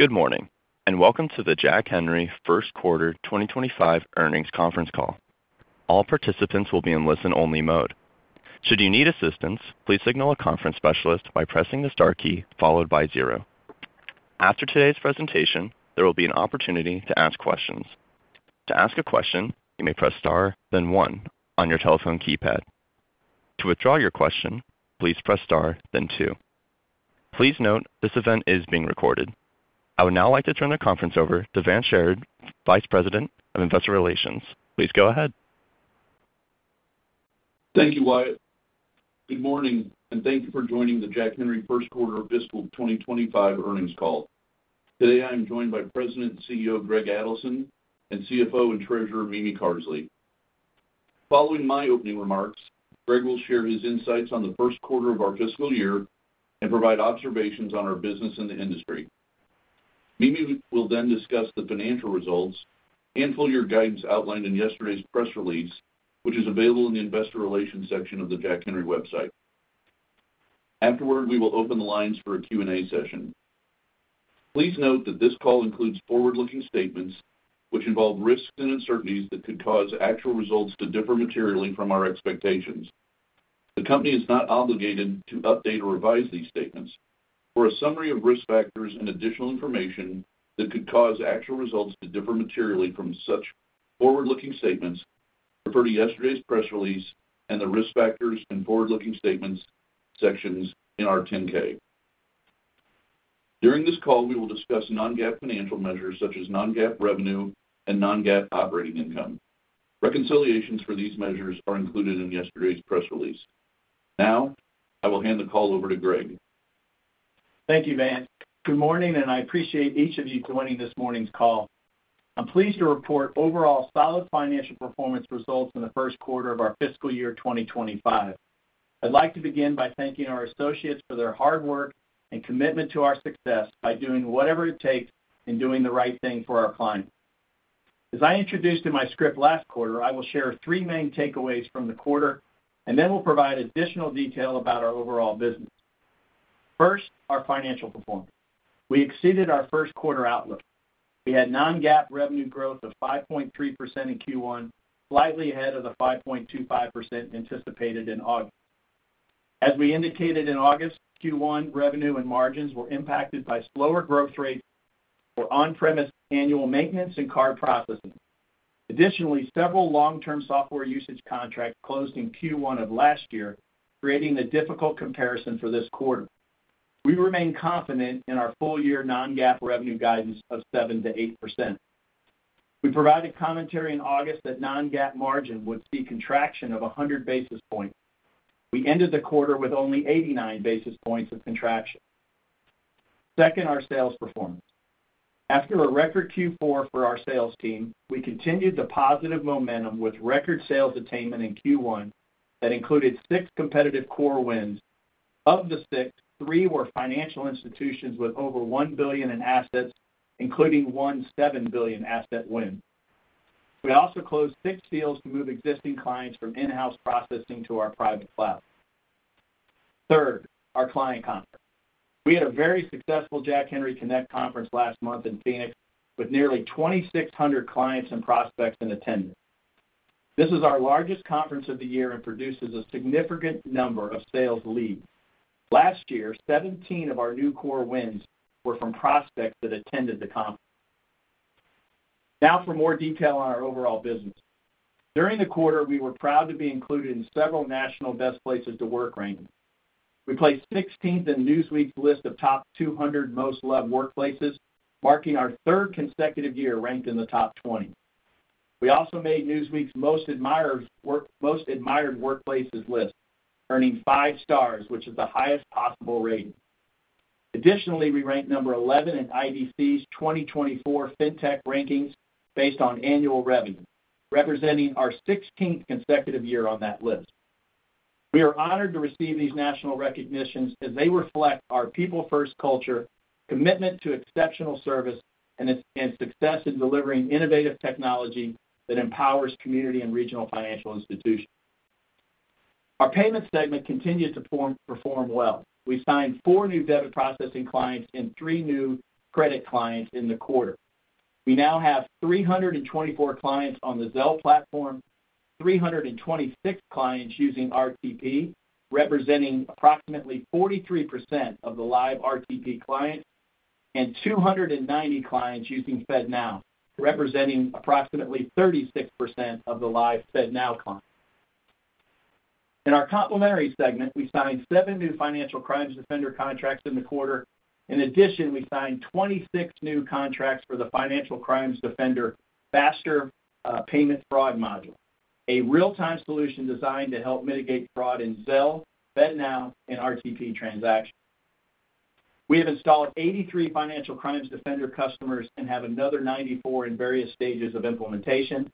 Good morning, and welcome to the Jack Henry first quarter 2025 earnings conference call. All participants will be in listen-only mode. Should you need assistance, please signal a conference specialist by pressing the star key followed by zero. After today's presentation, there will be an opportunity to ask questions. To ask a question, you may press star, then one, on your telephone keypad. To withdraw your question, please press star, then two. Please note this event is being recorded. I would now like to turn the conference over to Vance Sherard, Vice President of Investor Relations. Please go ahead. Thank you, Wyatt. Good morning, and thank you for joining the Jack Henry first quarter of fiscal 2025 earnings call. Today, I am joined by President and CEO Greg Adelson and CFO and Treasurer Mimi Carsley. Following my opening remarks, Greg will share his insights on the first quarter of our fiscal year and provide observations on our business and the industry. Mimi will then discuss the financial results and full-year guidance outlined in yesterday's press release, which is available in the Investor Relations section of the Jack Henry website. Afterward, we will open the lines for a Q&A session. Please note that this call includes forward-looking statements, which involve risks and uncertainties that could cause actual results to differ materially from our expectations. The company is not obligated to update or revise these statements. For a summary of risk factors and additional information that could cause actual results to differ materially from such forward-looking statements, refer to yesterday's press release and the risk factors and forward-looking statements sections in our 10-K. During this call, we will discuss non-GAAP financial measures such as non-GAAP revenue and non-GAAP operating income. Reconciliations for these measures are included in yesterday's press release. Now, I will hand the call over to Greg. Thank you, Vance. Good morning, and I appreciate each of you joining this morning's call. I'm pleased to report overall solid financial performance results in the first quarter of our fiscal year 2025. I'd like to begin by thanking our associates for their hard work and commitment to our success by doing whatever it takes and doing the right thing for our clients. As I introduced in my script last quarter, I will share three main takeaways from the quarter, and then we'll provide additional detail about our overall business. First, our financial performance. We exceeded our first quarter outlook. We had non-GAAP revenue growth of 5.3% in Q1, slightly ahead of the 5.25% anticipated in August. As we indicated in August, Q1 revenue and margins were impacted by slower growth rates for on-premise annual maintenance and card processing. Additionally, several long-term software usage contracts closed in Q1 of last year, creating a difficult comparison for this quarter. We remain confident in our full-year non-GAAP revenue guidance of 7%-8%. We provided commentary in August that non-GAAP margin would see contraction of 100 basis points. We ended the quarter with only 89 basis points of contraction. Second, our sales performance. After a record Q4 for our sales team, we continued the positive momentum with record sales attainment in Q1 that included six competitive core wins. Of the six, three were financial institutions with over $1 billion in assets, including one $7 billion asset win. We also closed six deals to Moov existing clients from in-house processing to our private cloud. Third, our client conference. We had a very successful Jack Henry Connect conference last month in Phoenix with nearly 2,600 clients and prospects in attendance. This is our largest conference of the year and produces a significant number of sales leads. Last year, 17 of our new core wins were from prospects that attended the conference. Now, for more detail on our overall business. During the quarter, we were proud to be included in several national best places to work rankings. We placed 16th in Newsweek's list of top 200 most loved workplaces, marking our third consecutive year ranked in the top 20. We also made Newsweek's most admired workplaces list, earning five stars, which is the highest possible rating. Additionally, we ranked number 11 in IDC's 2024 FinTech rankings based on annual revenue, representing our 16th consecutive year on that list. We are honored to receive these national recognitions as they reflect our people-first culture, commitment to exceptional service, and success in delivering innovative technology that empowers community and regional financial institutions. Our payment segment continued to perform well. We signed four new debit processing clients and three new credit clients in the quarter. We now have 324 clients on the Zelle platform, 326 clients using RTP, representing approximately 43% of the live RTP clients, and 290 clients using FedNow, representing approximately 36% of the live FedNow clients. In our complementary segment, we signed seven new Financial Crimes Defender contracts in the quarter. In addition, we signed 26 new contracts for the Financial Crimes Defender Faster Payment Fraud Module, a real-time solution designed to help mitigate fraud in Zelle, FedNow, and RTP transactions. We have installed 83 Financial Crimes Defender customers and have another 94 in various stages of implementation.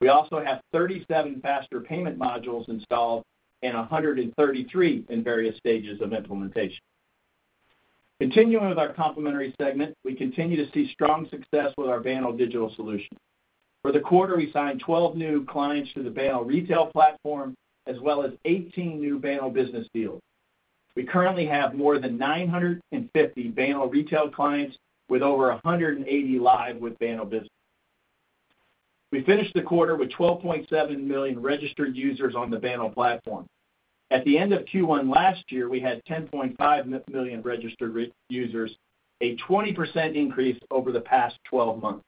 We also have 37 Faster Payment Modules installed and 133 in various stages of implementation. Continuing with our complementary segment, we continue to see strong success with our Banno digital solution. For the quarter, we signed 12 new clients to the Banno retail platform, as well as 18 new Banno Business deals. We currently have more than 950 Banno Retail clients, with over 180 live with Banno Business. We finished the quarter with 12.7 million registered users on the Banno platform. At the end of Q1 last year, we had 10.5 million registered users, a 20% increase over the past 12 months.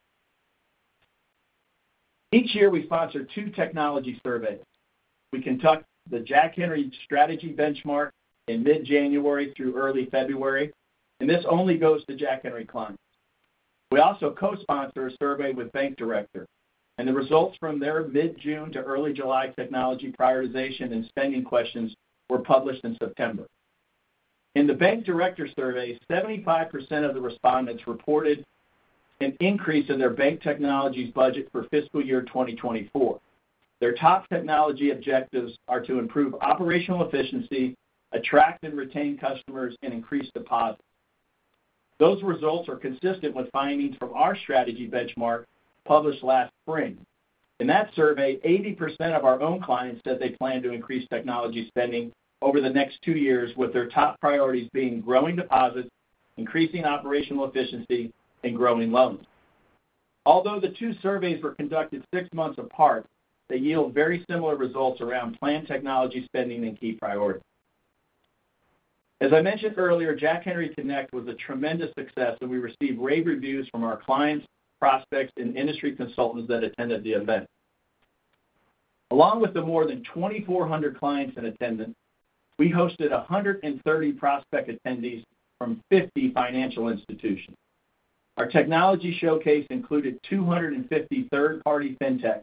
Each year, we sponsor two technology surveys. We conduct the Jack Henry Strategy Benchmark in mid-January through early February, and this only goes to Jack Henry clients. We also co-sponsor a survey with Bank Director, and the results from their mid-June to early July technology prioritization and spending questions were published in September. In the Bank Director survey, 75% of the respondents reported an increase in their bank technologies budget for fiscal year 2024. Their top technology objectives are to improve operational efficiency, attract and retain customers, and increase deposits. Those results are consistent with findings from our strategy benchmark published last spring. In that survey, 80% of our own clients said they plan to increase technology spending over the next two years, with their top priorities being growing deposits, increasing operational efficiency, and growing loans. Although the two surveys were conducted six months apart, they yield very similar results around planned technology spending and key priorities. As I mentioned earlier, Jack Henry Connect was a tremendous success, and we received rave reviews from our clients, prospects, and industry consultants that attended the event. Along with the more than 2,400 clients in attendance, we hosted 130 prospect attendees from 50 financial institutions. Our technology showcase included 250 third-party fintechs,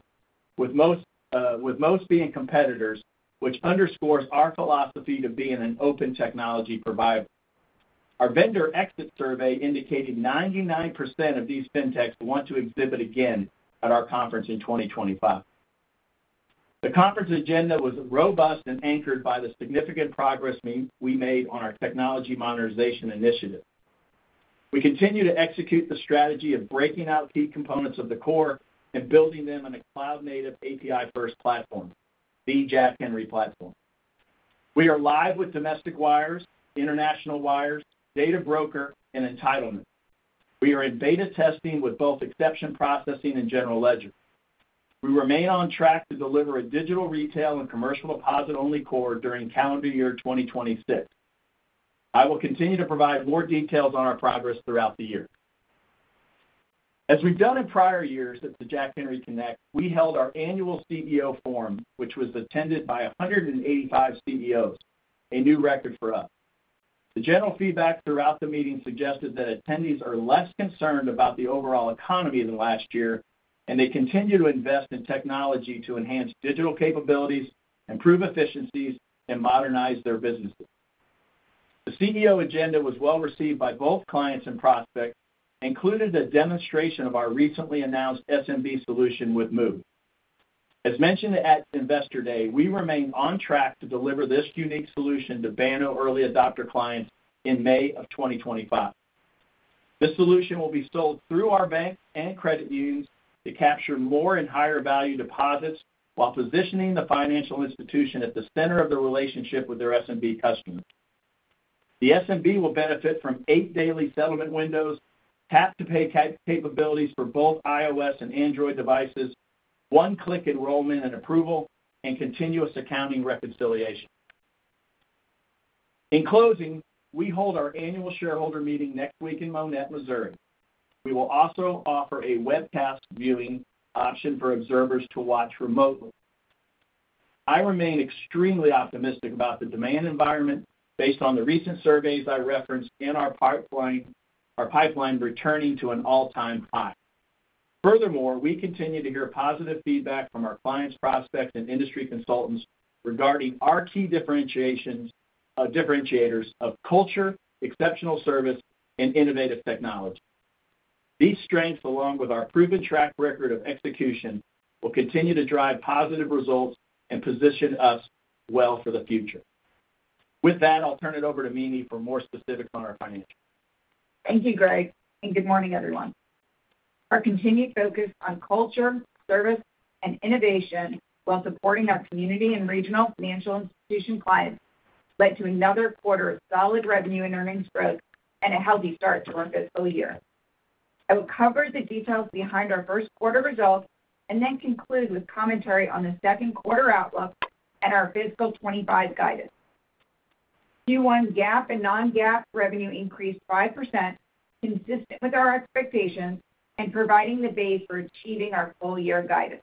with most being competitors, which underscores our philosophy to be an open technology provider. Our vendor exit survey indicated 99% of these fintechs want to exhibit again at our conference in 2025. The conference agenda was robust and anchored by the significant progress we made on our technology modernization initiative. We continue to execute the strategy of breaking out key components of the core and building them on a cloud-native API-first platform, the Jack Henry platform. We are live with domestic wires, international wires, Data Broker, and entitlement. We are in beta testing with both exception processing and general ledger. We remain on track to deliver a digital retail and commercial deposit-only core during calendar year 2026. I will continue to provide more details on our progress throughout the year. As we've done in prior years at the Jack Henry Connect, we held our annual CEO forum, which was attended by 185 CEOs, a new record for us. The general feedback throughout the meeting suggested that attendees are less concerned about the overall economy than last year, and they continue to invest in technology to enhance digital capabilities, improve efficiencies, and modernize their businesses. The CEO agenda was well received by both clients and prospects and included a demonstration of our recently announced SMB solution with Moov. As mentioned at Investor Day, we remain on track to deliver this unique solution to Banno early adopter clients in May of 2025. This solution will be sold through our bank and credit unions to capture more and higher value deposits while positioning the financial institution at the center of the relationship with their SMB customers. The SMB will benefit from eight daily settlement windows, tap-to-pay capabilities for both iOS and Android devices, one-click enrollment and approval, and continuous accounting reconciliation. In closing, we hold our annual shareholder meeting next week in Monett, Missouri. We will also offer a webcast viewing option for observers to watch remotely. I remain extremely optimistic about the demand environment based on the recent surveys I referenced and our pipeline returning to an all-time high. Furthermore, we continue to hear positive feedback from our clients, prospects, and industry consultants regarding our key differentiators of culture, exceptional service, and innovative technology. These strengths, along with our proven track record of execution, will continue to drive positive results and position us well for the future. With that, I'll turn it over to Mimi for more specifics on our financials. Thank you, Greg, and good morning, everyone. Our continued focus on culture, service, and innovation while supporting our community and regional financial institution clients led to another quarter of solid revenue and earnings growth and a healthy start to our fiscal year. I will cover the details behind our first quarter results and then conclude with commentary on the second quarter outlook and our fiscal 2025 guidance. Q1 GAAP and non-GAAP revenue increased 5%, consistent with our expectations and providing the base for achieving our full-year guidance.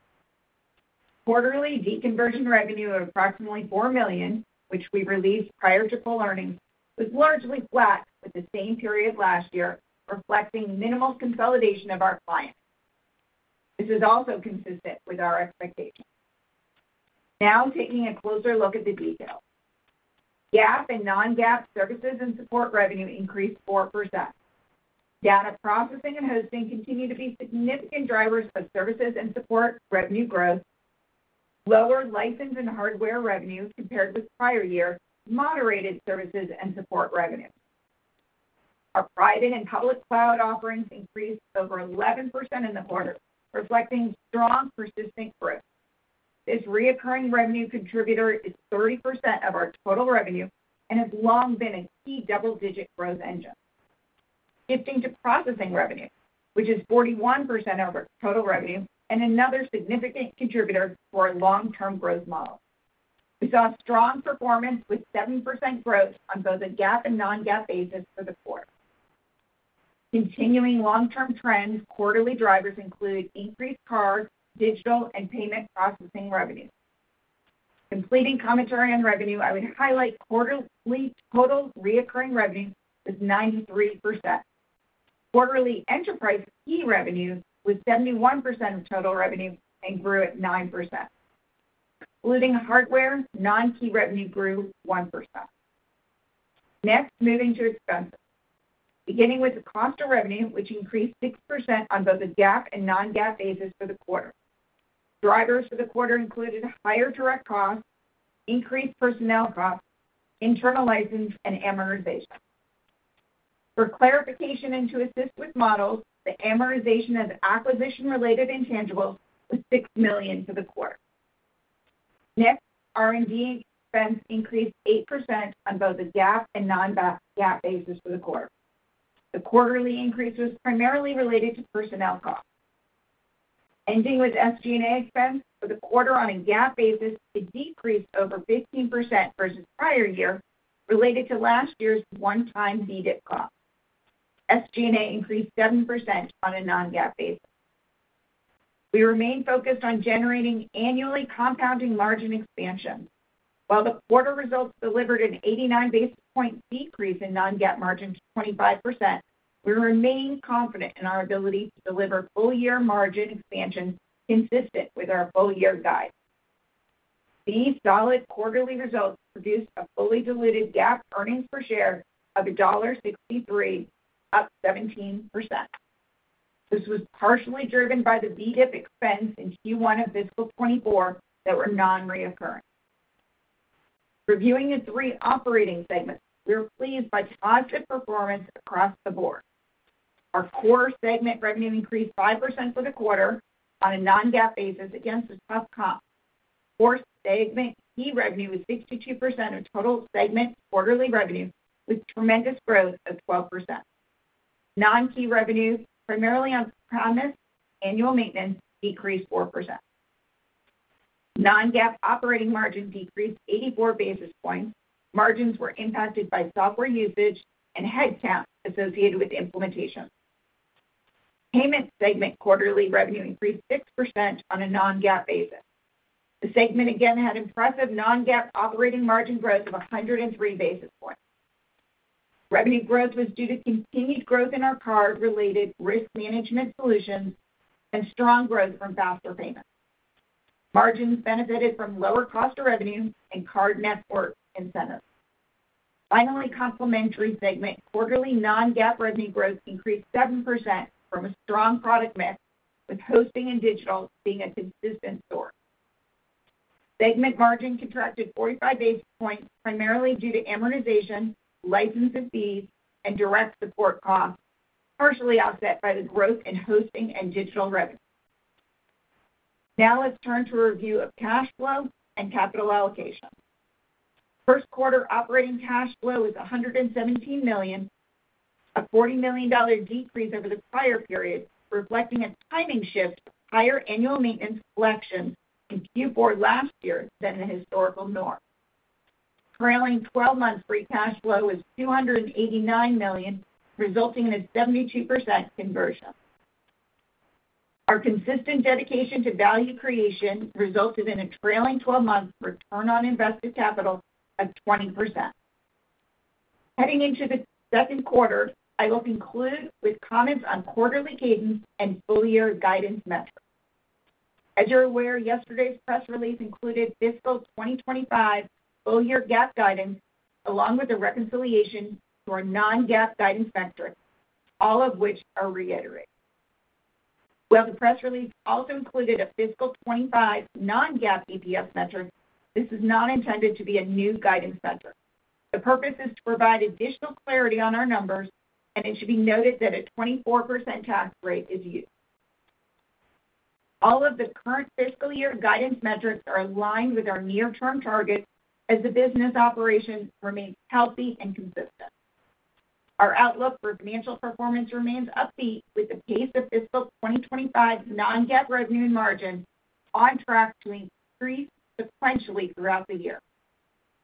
Quarterly, deconversion revenue of approximately $4 million, which we released prior to full earnings, was largely flat with the same period last year, reflecting minimal consolidation of our clients. This is also consistent with our expectations. Now, taking a closer look at the details. GAAP and non-GAAP services and support revenue increased 4%. Data processing and hosting continue to be significant drivers of services and support revenue growth. Lower license and hardware revenue compared with prior year moderated services and support revenue. Our private and public cloud offerings increased over 11% in the quarter, reflecting strong persistent growth. This recurring revenue contributor is 30% of our total revenue and has long been a key double-digit growth engine. Shifting to processing revenue, which is 41% of our total revenue, is another significant contributor to our long-term growth model. We saw strong performance with 7% growth on both a GAAP and non-GAAP basis for the quarter. Continuing long-term trends, quarterly drivers include increased card, digital, and payment processing revenue. Completing commentary on revenue, I would highlight quarterly total recurring revenue was 93%. Quarterly, enterprise key revenue was 71% of total revenue and grew at 9%. Including hardware, non-key revenue grew 1%. Next, moving to expenses. Beginning with the cost of revenue, which increased 6% on both the GAAP and non-GAAP basis for the quarter. Drivers for the quarter included higher direct costs, increased personnel costs, internal license, and amortization. For clarification and to assist with models, the amortization of acquisition-related intangibles was $6 million for the quarter. Next, R&D expense increased 8% on both the GAAP and non-GAAP basis for the quarter. The quarterly increase was primarily related to personnel costs. Ending with SG&A expense for the quarter on a GAAP basis decreased over 15% versus prior year, related to last year's one-time VEDIP costs. SG&A increased 7% on a non-GAAP basis. We remain focused on generating annually compounding margin expansion. While the quarter results delivered an 89 basis point decrease in non-GAAP margin to 25%, we remain confident in our ability to deliver full-year margin expansion consistent with our full-year guide. These solid quarterly results produced a fully diluted GAAP earnings per share of $1.63, up 17%. This was partially driven by the VEDIP expense in Q1 of fiscal 2024 that were non-recurring. Reviewing the three operating segments, we were pleased by positive performance across the board. Our core segment revenue increased 5% for the quarter on a non-GAAP basis against the tough comp. Core segment key revenue was 62% of total segment quarterly revenue, with tremendous growth of 12%. Non-key revenue, primarily on-premise annual maintenance, decreased 4%. Non-GAAP operating margin decreased 84 basis points. Margins were impacted by software usage and headcount associated with implementation. Payment segment quarterly revenue increased 6% on a non-GAAP basis. The segment again had impressive non-GAAP operating margin growth of 103 basis points. Revenue growth was due to continued growth in our card-related risk management solutions and strong growth from faster payments. Margins benefited from lower cost of revenue and card network incentives. Finally, Complementary segment quarterly non-GAAP revenue growth increased 7% from a strong product mix, with hosting and digital being a consistent source. Segment margin contracted 45 basis points, primarily due to amortization, license and fees, and direct support costs, partially offset by the growth in hosting and digital revenue. Now let's turn to a review of cash flow and capital allocation. First quarter operating cash flow was $117 million, a $40 million decrease over the prior period, reflecting a timing shift, higher annual maintenance collection in Q4 last year than the historical norm. Trailing 12-month free cash flow was $289 million, resulting in a 72% conversion. Our consistent dedication to value creation resulted in a trailing 12-month return on invested capital of 20%. Heading into the second quarter, I will conclude with comments on quarterly cadence and full-year guidance metrics. As you're aware, yesterday's press release included fiscal 2025 full-year GAAP guidance, along with the reconciliation for non-GAAP guidance metrics, all of which are reiterated. While the press release also included a fiscal 2025 non-GAAP EPS metric, this is not intended to be a new guidance metric. The purpose is to provide additional clarity on our numbers, and it should be noted that a 24% tax rate is used. All of the current fiscal year guidance metrics are aligned with our near-term targets as the business operation remains healthy and consistent. Our outlook for financial performance remains upbeat with the pace of fiscal 2025 non-GAAP revenue and margin on track to increase sequentially throughout the year.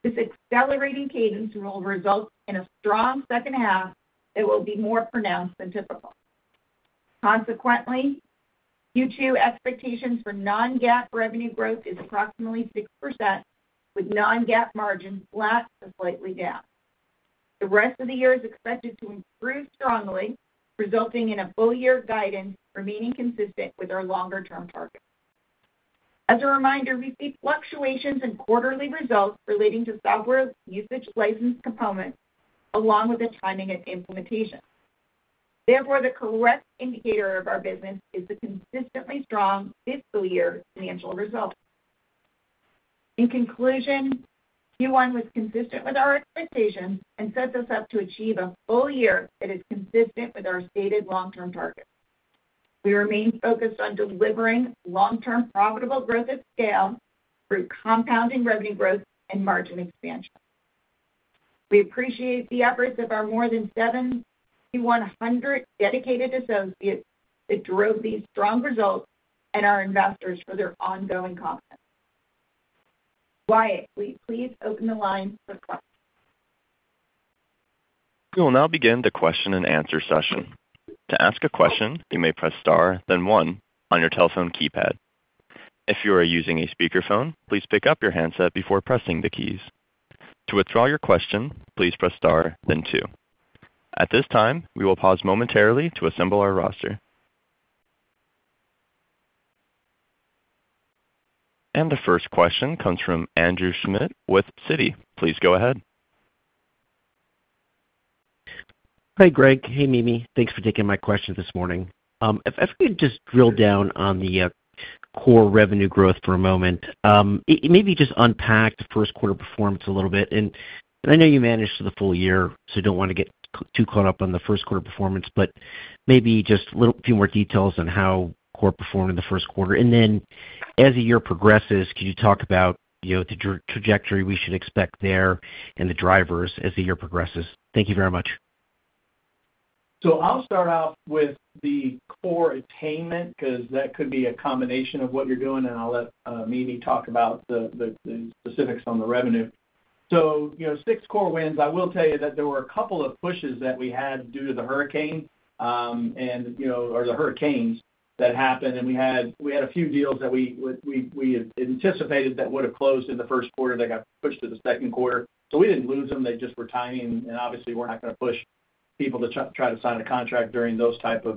This accelerating cadence will result in a strong second half that will be more pronounced than typical. Consequently, Q2 expectations for non-GAAP revenue growth is approximately 6%, with non-GAAP margin flat to slightly down. The rest of the year is expected to improve strongly, resulting in a full-year guidance remaining consistent with our longer-term target. As a reminder, we see fluctuations in quarterly results relating to software usage license components, along with the timing of implementation. Therefore, the correct indicator of our business is the consistently strong fiscal year financial results. In conclusion, Q1 was consistent with our expectations and sets us up to achieve a full year that is consistent with our stated long-term target. We remain focused on delivering long-term profitable growth at scale through compounding revenue growth and margin expansion. We appreciate the efforts of our more than 7,100 dedicated associates that drove these strong results and our investors for their ongoing confidence. Wyatt, will you please open the line for questions? We will now begin the question and answer session. To ask a question, you may press star, then one, on your telephone keypad. If you are using a speakerphone, please pick up your handset before pressing the keys. To withdraw your question, please press star, then two. At this time, we will pause momentarily to assemble our roster. And the first question comes from Andrew Schmidt with Citi. Please go ahead. Hi, Greg. Hey, Mimi. Thanks for taking my question this morning. If I could just drill down on the core revenue growth for a moment, maybe just unpack the first quarter performance a little bit. And I know you managed the full year, so I don't want to get too caught up on the first quarter performance, but maybe just a few more details on how core performed in the first quarter. And then, as the year progresses, could you talk about the trajectory we should expect there and the drivers as the year progresses? Thank you very much. So I'll start off with the core attainment because that could be a combination of what you're doing, and I'll let Mimi talk about the specifics on the revenue. So six core wins. I will tell you that there were a couple of pushes that we had due to the hurricane or the hurricanes that happened, and we had a few deals that we anticipated that would have closed in the first quarter that got pushed to the second quarter. So we didn't lose them. They just were tiny, and obviously, we're not going to push people to try to sign a contract during those types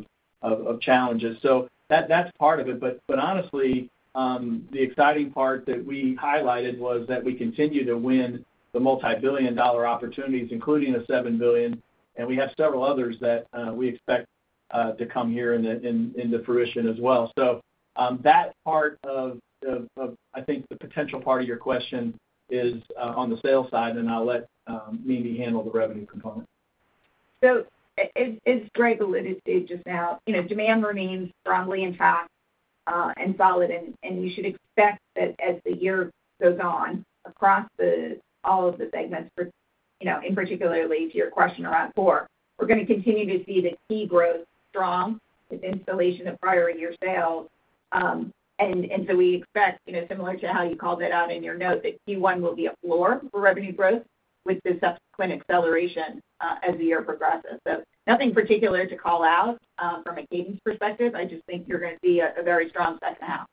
of challenges. So that's part of it. But honestly, the exciting part that we highlighted was that we continue to win the multi-billion dollar opportunities, including the $7 billion, and we have several others that we expect to come to fruition as well. So that part of, I think, the potential part of your question is on the sales side, and I'll let Mimi handle the revenue component. So, as Greg alluded to just now, demand remains strongly intact and solid, and you should expect that as the year goes on across all of the segments. In particular, to your question around core, we're going to continue to see the key growth strong with installation of prior year sales. And so we expect, similar to how you called it out in your note, that Q1 will be a floor for revenue growth with the subsequent acceleration as the year progresses. So nothing particular to call out from a cadence perspective. I just think you're going to see a very strong second half.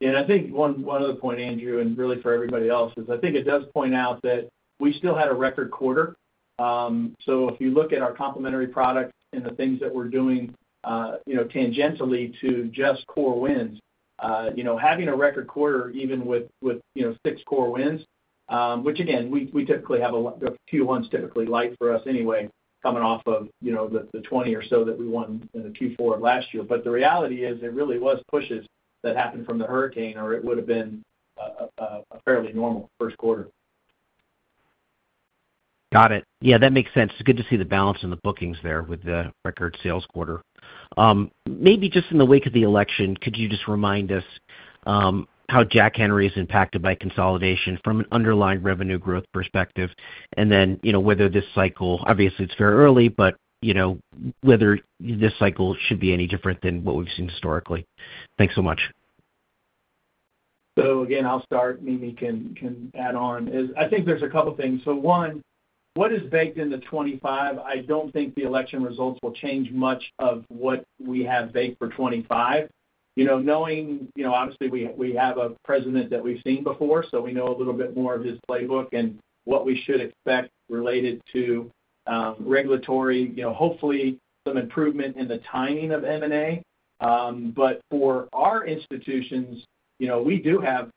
Yeah, and I think one other point, Andrew, and really for everybody else, is I think it does point out that we still had a record quarter, so if you look at our complementary product and the things that we're doing tangentially to just core wins, having a record quarter even with six core wins, which again, we typically have a Q1 is typically light for us anyway coming off of the 20 or so that we won in the Q4 of last year, but the reality is there really was pushes that happened from the hurricane, or it would have been a fairly normal first quarter. Got it. Yeah, that makes sense. It's good to see the balance in the bookings there with the record sales quarter. Maybe just in the wake of the election, could you just remind us how Jack Henry is impacted by consolidation from an underlying revenue growth perspective and then whether this cycle, obviously, it's very early, but whether this cycle should be any different than what we've seen historically? Thanks so much. So again, I'll start. Mimi can add on. I think there's a couple of things. So one, what is baked in the 2025? I don't think the election results will change much of what we have baked for 2025. Knowing, obviously, we have a president that we've seen before, so we know a little bit more of his playbook and what we should expect related to regulatory, hopefully, some improvement in the timing of M&A. But for our institutions, we do have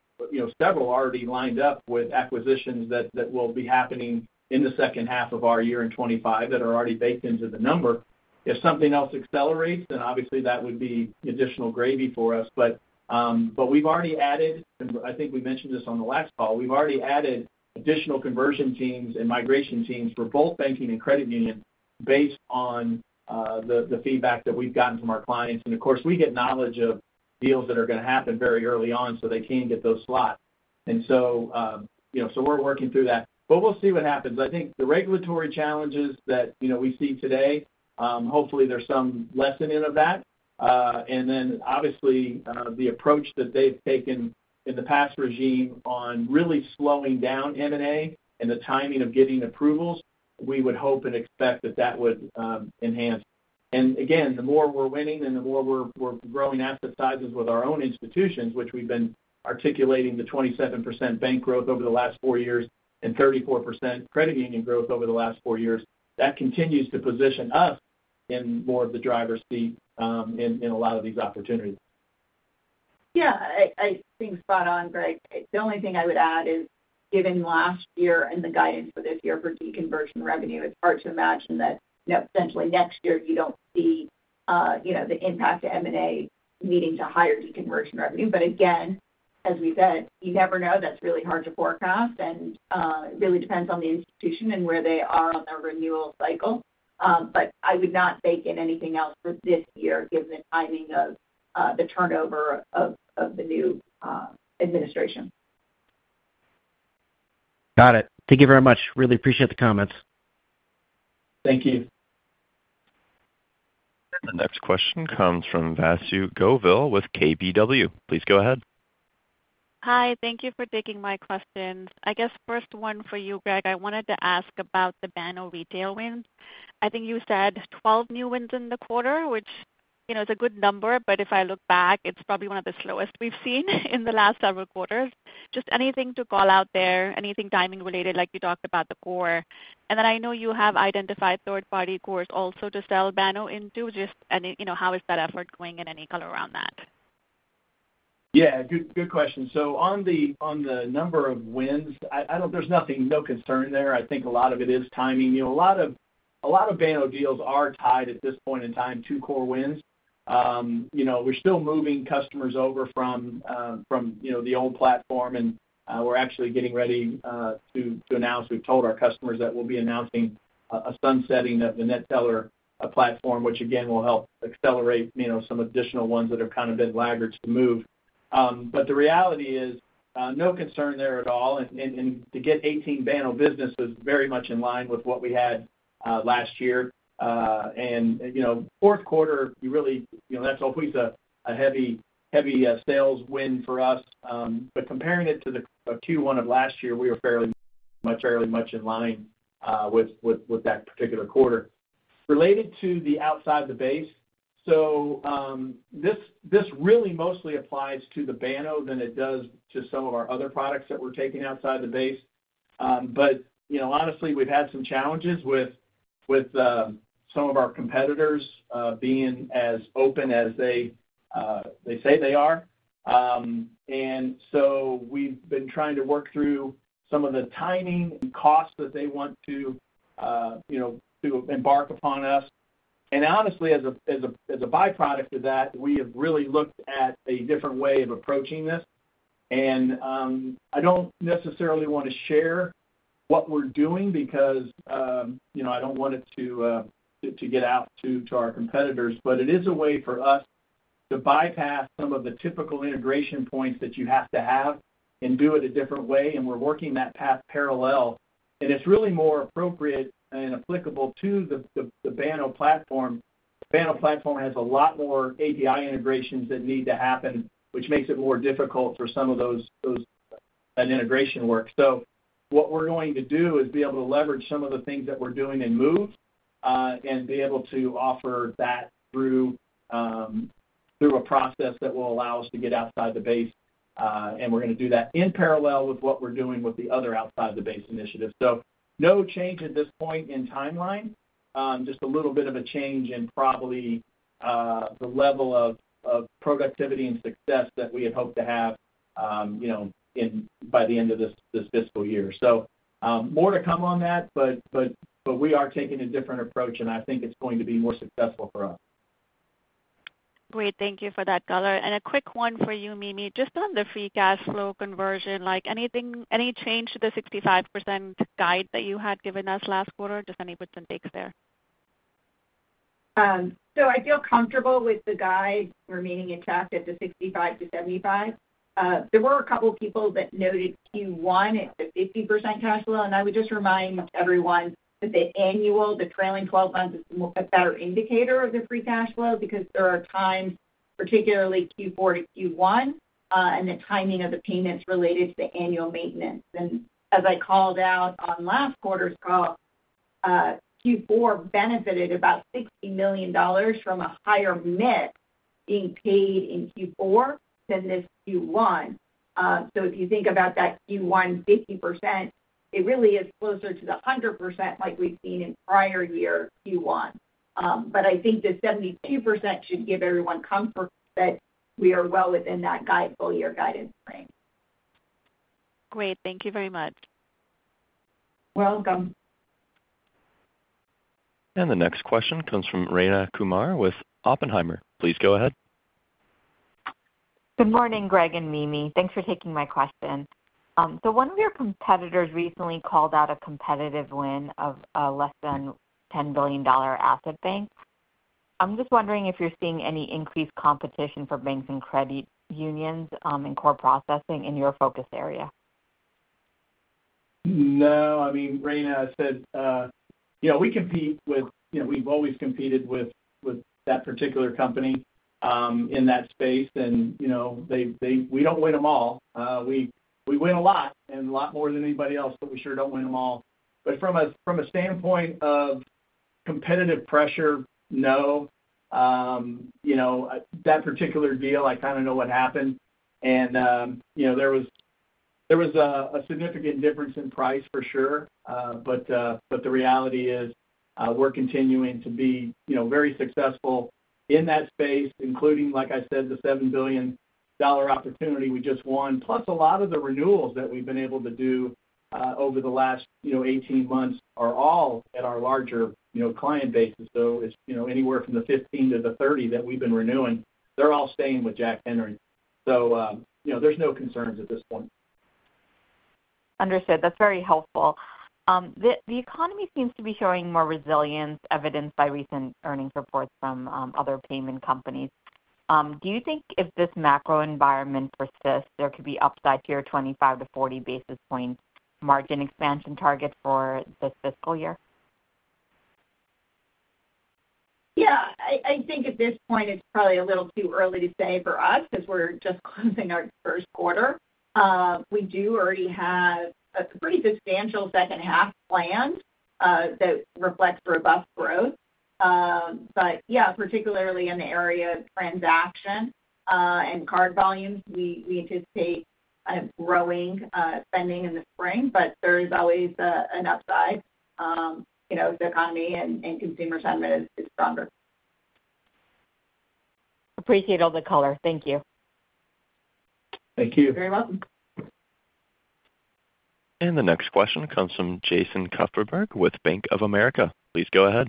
several already lined up with acquisitions that will be happening in the second half of our year in 2025 that are already baked into the number. If something else accelerates, then obviously, that would be additional gravy for us. But we've already added, and I think we mentioned this on the last call, we've already added additional conversion teams and migration teams for both banking and credit unions based on the feedback that we've gotten from our clients. And of course, we get knowledge of deals that are going to happen very early on, so they can get those slots. And so we're working through that. But we'll see what happens. I think the regulatory challenges that we see today, hopefully, there's some lessening of that. And then, obviously, the approach that they've taken in the past regime on really slowing down M&A and the timing of getting approvals, we would hope and expect that that would enhance. And again, the more we're winning and the more we're growing asset sizes with our own institutions, which we've been articulating the 27% bank growth over the last four years and 34% credit union growth over the last four years, that continues to position us in more of the driver's seat in a lot of these opportunities. Yeah. I think spot on, Greg. The only thing I would add is, given last year and the guidance for this year for deconversion revenue, it's hard to imagine that essentially next year you don't see the impact of M&A needing to hire deconversion revenue. But again, as we said, you never know. That's really hard to forecast, and it really depends on the institution and where they are on their renewal cycle. But I would not bake in anything else for this year given the timing of the turnover of the new administration. Got it. Thank you very much. Really appreciate the comments. Thank you. The next question comes from Vasu Govil with KBW. Please go ahead. Hi. Thank you for taking my questions. I guess first one for you, Greg. I wanted to ask about the Banno Retail wins. I think you said 12 new wins in the quarter, which is a good number, but if I look back, it's probably one of the slowest we've seen in the last several quarters. Just anything to call out there, anything timing related like you talked about the core. And then I know you have identified third-party cores also to sell Banno into, just how is that effort going and any color around that? Yeah. Good question. So on the number of wins, there's nothing, no concern there. I think a lot of it is timing. A lot of Banno deals are tied at this point in time to core wins. We're still moving customers over from the old platform, and we're actually getting ready to announce. We've told our customers that we'll be announcing a sunsetting of the NetTeller platform, which again will help accelerate some additional ones that have kind of been laggards to move. But the reality is no concern there at all, and to get 18 Banno Business was very much in line with what we had last year. And, fourth quarter, you really, that's always a heavy sales win for us. But comparing it to the Q1 of last year, we were fairly much in line with that particular quarter. Related to the outside the base, so this really mostly applies to the Banno than it does to some of our other products that we're taking outside the base. But honestly, we've had some challenges with some of our competitors being as open as they say they are. And so we've been trying to work through some of the timing and costs that they want to embark upon us. And honestly, as a byproduct of that, we have really looked at a different way of approaching this. And I don't necessarily want to share what we're doing because I don't want it to get out to our competitors, but it is a way for us to bypass some of the typical integration points that you have to have and do it a different way. And we're working that path parallel. And it's really more appropriate and applicable to the Banno platform. The Banno platform has a lot more API integrations that need to happen, which makes it more difficult for some of that integration work. So what we're going to do is be able to leverage some of the things that we're doing and move and be able to offer that through a process that will allow us to get outside the base. And we're going to do that in parallel with what we're doing with the other outside-the-base initiative. So no change at this point in timeline, just a little bit of a change in probably the level of productivity and success that we had hoped to have by the end of this fiscal year. So more to come on that, but we are taking a different approach, and I think it's going to be more successful for us. Great. Thank you for that color. And a quick one for you, Mimi, just on the free cash flow conversion, any change to the 65% guide that you had given us last quarter? Just any poignant takes there. So I feel comfortable with the guide remaining intact at the 65%-75%. There were a couple of people that noted Q1 at the 50% cash flow. And I would just remind everyone that the annual, the trailing 12 months is a better indicator of the free cash flow because there are times, particularly Q4 to Q1, and the timing of the payments related to the annual maintenance. And as I called out on last quarter's call, Q4 benefited about $60 million from a higher MIPS being paid in Q4 than this Q1. So if you think about that Q1 50%, it really is closer to the 100% like we've seen in prior year Q1. But I think the 72% should give everyone comfort that we are well within that full year guidance frame. Great. Thank you very much. You're welcome. The next question comes from Rayna Kumar with Oppenheimer. Please go ahead. Good morning, Greg and Mimi. Thanks for taking my question. So one of your competitors recently called out a competitive win of a less than $10 billion asset bank. I'm just wondering if you're seeing any increased competition for banks and credit unions and core processing in your focus area? No. I mean, Rayna, I said we compete with we've always competed with that particular company in that space, and we don't win them all. We win a lot and a lot more than anybody else, but we sure don't win them all. But from a standpoint of competitive pressure, no. That particular deal, I kind of know what happened. And there was a significant difference in price for sure, but the reality is we're continuing to be very successful in that space, including, like I said, the $7 billion opportunity we just won. Plus, a lot of the renewals that we've been able to do over the last 18 months are all at our larger client bases. So anywhere from the 15 to the 30 that we've been renewing, they're all staying with Jack Henry. So there's no concerns at this point. Understood. That's very helpful. The economy seems to be showing more resilience evidenced by recent earnings reports from other payment companies. Do you think if this macro environment persists, there could be upside to your 25-40 basis point margin expansion target for this fiscal year? Yeah. I think at this point, it's probably a little too early to say for us because we're just closing our first quarter. We do already have a pretty substantial second half planned that reflects robust growth. But yeah, particularly in the area of transaction and card volumes, we anticipate kind of growing spending in the spring, but there is always an upside if the economy and consumer sentiment is stronger. Appreciate all the color. Thank you. Thank you. You're very welcome. The next question comes from Jason Kupferberg with Bank of America. Please go ahead.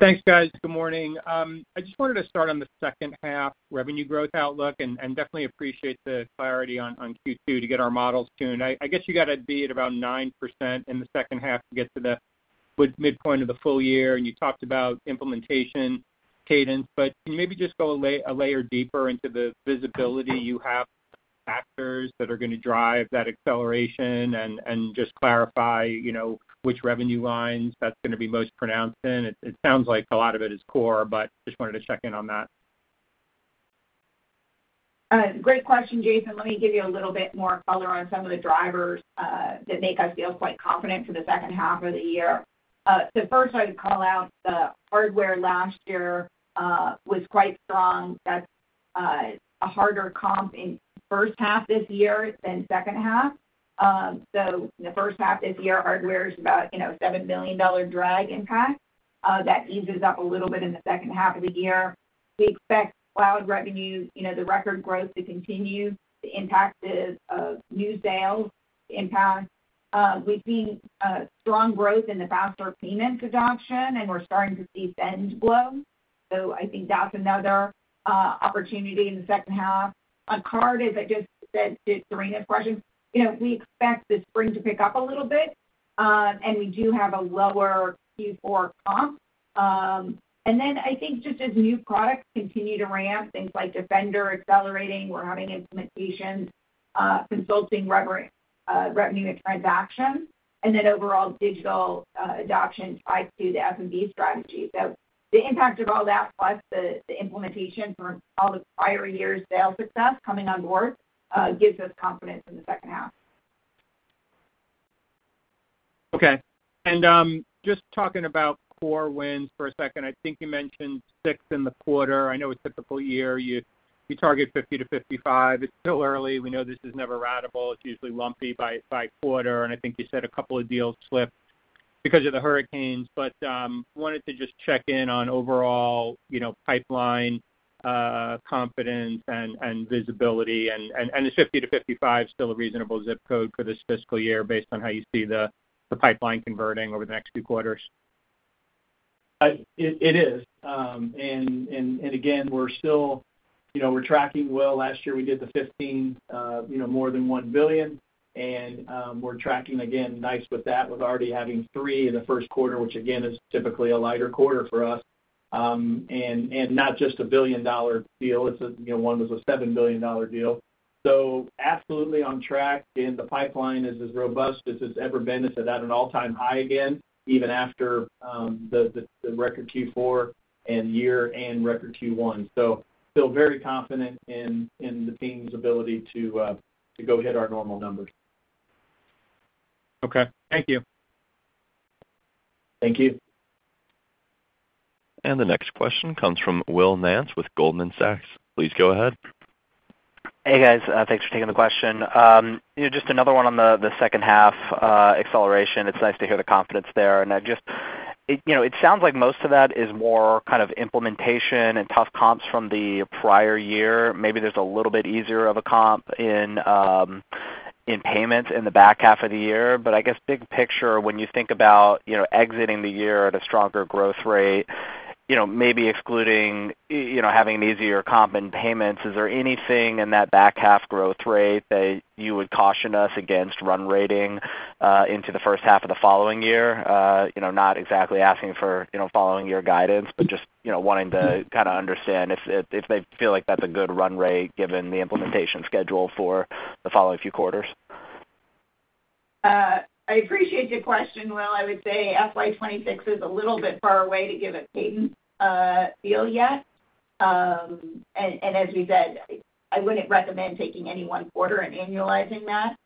Thanks, guys. Good morning. I just wanted to start on the second half revenue growth outlook and definitely appreciate the clarity on Q2 to get our models soon. I guess you got to be at about 9% in the second half to get to the midpoint of the full year. You talked about implementation cadence, but can you maybe just go a layer deeper into the visibility you have for the factors that are going to drive that acceleration and just clarify which revenue lines that's going to be most pronounced in? It sounds like a lot of it is core, but just wanted to check in on that. Great question, Jason. Let me give you a little bit more color on some of the drivers that make us feel quite confident for the second half of the year. So first, I'd call out the hardware last year was quite strong. That's a harder comp in the first half this year than second half. So in the first half this year, hardware is about a $7 million drag impact. That eases up a little bit in the second half of the year. We expect cloud revenue, the record growth to continue, the impact of new sales to impact. We've seen strong growth in the faster payments adoption, and we're starting to see fintech growth. So I think that's another opportunity in the second half. On card, as I just said to Rayna's question, we expect the spring to pick up a little bit, and we do have a lower Q4 comp, and then I think just as new products continue to ramp, things like Defender accelerating, we're having implementation, consulting revenue and transaction, and then overall digital adoption tied to the SMB strategy, so the impact of all that, plus the implementation from all the prior year's sales success coming on board, gives us confidence in the second half. Okay. And just talking about core wins for a second, I think you mentioned six in the quarter. I know it's a typical year. You target 50-55. It's still early. We know this is never ratable. It's usually lumpy by quarter. And I think you said a couple of deals slipped because of the hurricanes. But wanted to just check in on overall pipeline confidence and visibility. And is 50-55 still a reasonable zip code for this fiscal year based on how you see the pipeline converting over the next few quarters? It is. And again, we're tracking well. Last year, we did 15 more than $1 billion, and we're tracking along nicely with that. We're already having three in the first quarter, which again is typically a lighter quarter for us. And not just a billion-dollar deal. One was a $7 billion deal. So absolutely on track, and the pipeline is as robust as it's ever been. It's at an all-time high again, even after the record Q4 and year-end record Q1. So still very confident in the team's ability to go hit our normal numbers. Okay. Thank you. Thank you. The next question comes from Will Nance with Goldman Sachs. Please go ahead. Hey, guys. Thanks for taking the question. Just another one on the second half acceleration. It's nice to hear the confidence there. And it sounds like most of that is more kind of implementation and tough comps from the prior year. Maybe there's a little bit easier of a comp in payments in the back half of the year. But I guess big picture, when you think about exiting the year at a stronger growth rate, maybe excluding having an easier comp in payments, is there anything in that back half growth rate that you would caution us against run rating into the first half of the following year? Not exactly asking for following year guidance, but just wanting to kind of understand if they feel like that's a good run rate given the implementation schedule for the following few quarters. I appreciate the question, Will. I would say FY 2026 is a little bit far away to give a cadence feel yet. And as we said, I wouldn't recommend taking any one quarter and annualizing that.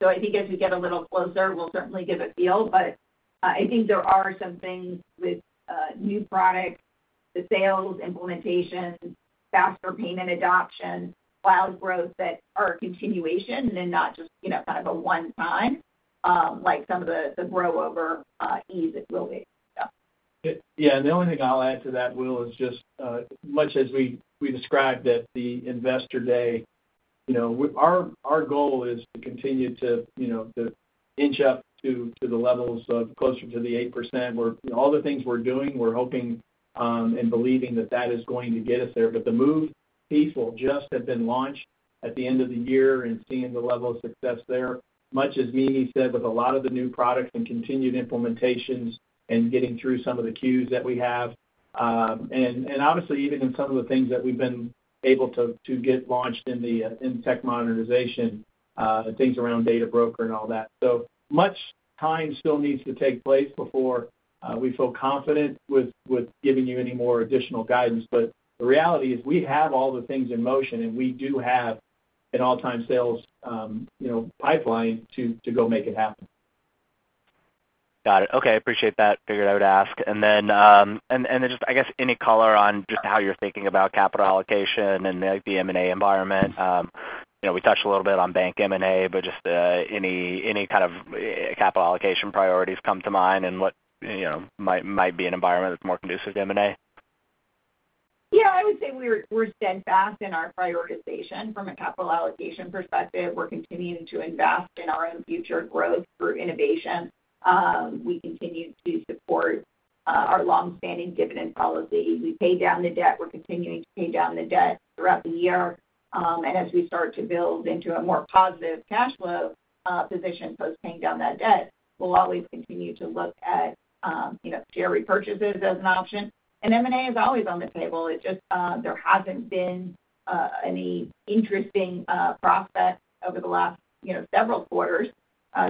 So I think as we get a little closer, we'll certainly give a feel. But I think there are some things with new products, the sales, implementation, faster payment adoption, cloud growth that are a continuation and not just kind of a one-time like some of the growth over these it will be. Yeah. And the only thing I'll add to that, Will, is just much as we described at the Investor Day, our goal is to continue to inch up to the levels of closer to the 8%. All the things we're doing, we're hoping and believing that that is going to get us there. But the move people just have been launched at the end of the year and seeing the level of success there, much as Mimi said, with a lot of the new products and continued implementations and getting through some of the queues that we have. And obviously, even in some of the things that we've been able to get launched in tech modernization, things around Data Broker and all that. So much time still needs to take place before we feel confident with giving you any more additional guidance. But the reality is we have all the things in motion, and we do have an all-time sales pipeline to go make it happen. Got it. Okay. Appreciate that. Figured I would ask and then just, I guess, any color on just how you're thinking about capital allocation and the M&A environment? We touched a little bit on bank M&A, but just any kind of capital allocation priorities come to mind and what might be an environment that's more conducive to M&A? Yeah. I would say we're steadfast in our prioritization from a capital allocation perspective. We're continuing to invest in our own future growth through innovation. We continue to support our long-standing dividend policy. We pay down the debt. We're continuing to pay down the debt throughout the year. And as we start to build into a more positive cash flow position post-paying down that debt, we'll always continue to look at share repurchases as an option. And M&A is always on the table. It's just there hasn't been any interesting prospects over the last several quarters.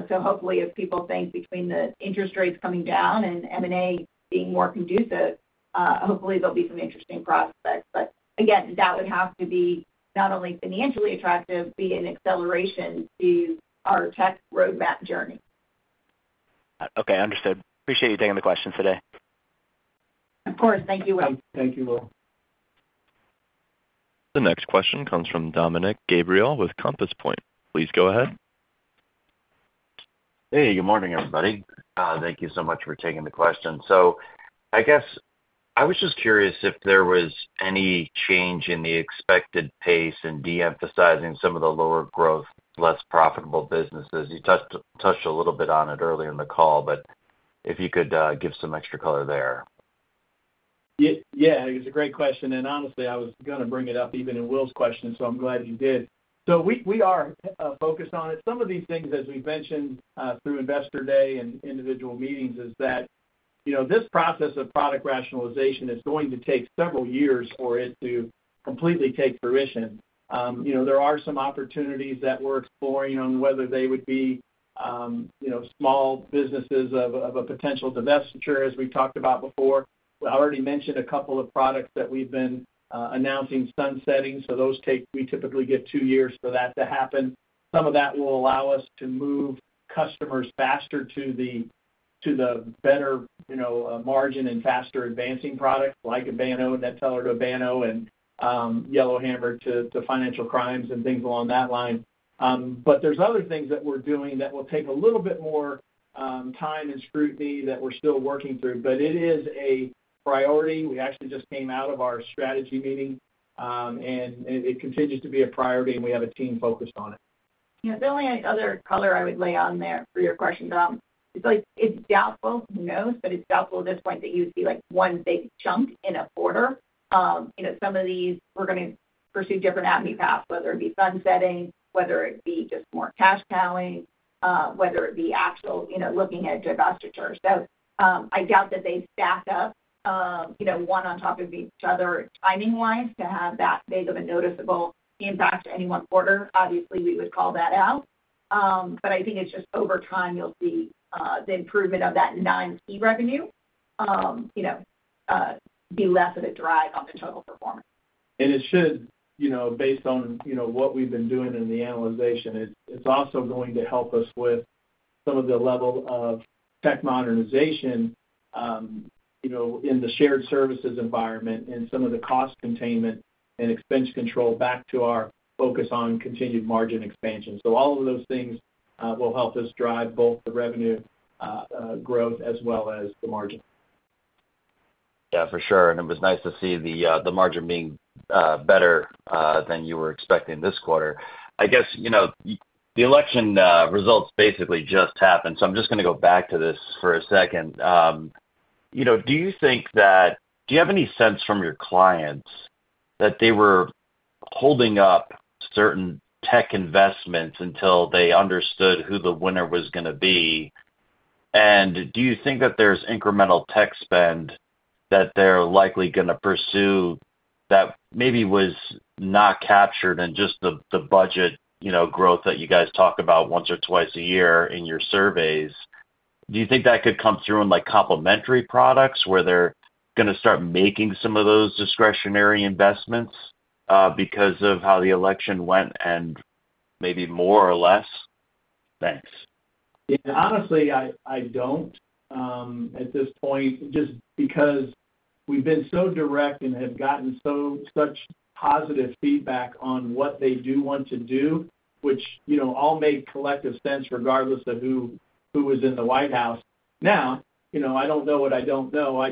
So hopefully, as people think between the interest rates coming down and M&A being more conducive, hopefully, there'll be some interesting prospects. But again, that would have to be not only financially attractive, be an acceleration to our tech roadmap journey. Okay. Understood. Appreciate you taking the questions today. Of course. Thank you, Will. Thank you, Will. The next question comes from Dominick Gabriele with Compass Point. Please go ahead. Hey, good morning, everybody. Thank you so much for taking the question. So I guess I was just curious if there was any change in the expected pace in de-emphasizing some of the lower growth, less profitable businesses. You touched a little bit on it earlier in the call, but if you could give some extra color there. Yeah. It's a great question. Honestly, I was going to bring it up even in Will's question, so I'm glad you did. We are focused on it. Some of these things, as we've mentioned through Investor Day and individual meetings, is that this process of product rationalization is going to take several years for it to completely take fruition. There are some opportunities that we're exploring on whether they would be small businesses of a potential divestiture, as we've talked about before. I already mentioned a couple of products that we've been announcing sunsetting, so those take we typically get two years for that to happen. Some of that will allow us to move customers faster to the better margin and faster advancing products like Banno, NetTeller to Banno, and Yellowhammer to financial crimes and things along that line. But there's other things that we're doing that will take a little bit more time and scrutiny that we're still working through. But it is a priority. We actually just came out of our strategy meeting, and it continues to be a priority, and we have a team focused on it. Yeah. The only other color I would lay on there for your question, Dom, it's like it's doubtful. Who knows, but it's doubtful at this point that you see one big chunk in a quarter. Some of these, we're going to pursue different avenue paths, whether it be sunsetting, whether it be just more cash cowing, whether it be actual looking at divestiture, so I doubt that they stack up one on top of each other timing-wise to have that big of a noticeable impact any one quarter. Obviously, we would call that out, but I think it's just over time, you'll see the improvement of that nine key revenue be less of a drag on the total performance. And it should, based on what we've been doing in the analysis, it's also going to help us with some of the level of tech modernization in the shared services environment and some of the cost containment and expense control back to our focus on continued margin expansion. So all of those things will help us drive both the revenue growth as well as the margin. Yeah, for sure. And it was nice to see the margin being better than you were expecting this quarter. I guess the election results basically just happened. So I'm just going to go back to this for a second. Do you think that you have any sense from your clients that they were holding up certain tech investments until they understood who the winner was going to be? And do you think that there's incremental tech spend that they're likely going to pursue that maybe was not captured in just the budget growth that you guys talk about once or twice a year in your surveys? Do you think that could come through in complementary products where they're going to start making some of those discretionary investments because of how the election went and maybe more or less? Thanks. Yeah. Honestly, I don't at this point just because we've been so direct and have gotten such positive feedback on what they do want to do, which all make collective sense regardless of who is in the White House. Now, I don't know what I don't know.